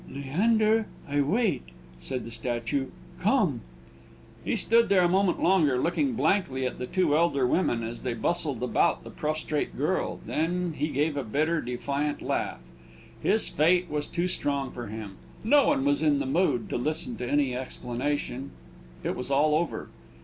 "Leander, I wait," said the statue. "Come!" He stood there a moment longer, looking blankly at the two elder women as they bustled about the prostrate girl, and then he gave a bitter, defiant laugh. His fate was too strong for him. No one was in the mood to listen to any explanation; it was all over!